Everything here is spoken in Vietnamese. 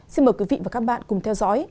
xin mời quý vị và các bạn cùng theo dõi